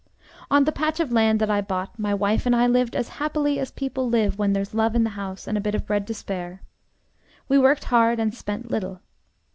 On the patch of land that I bought, my wife and I lived as happily as people live when there's love in the house and a bit of bread to spare. We worked hard and spent little.